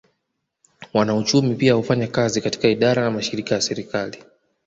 Wanauchumi pia hufanya kazi katika idara na mashirika ya serikali